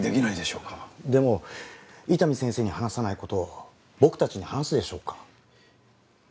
でも伊丹先生に話さない事を僕たちに話すでしょうか？